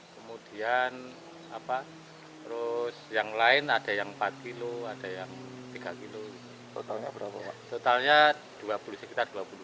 kemudian apa terus yang lain ada yang empat kilo ada yang tiga kilo totalnya berapa totalnya dua puluh sekitar dua puluh